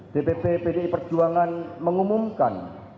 dpp pdi perjuangan mengumumkan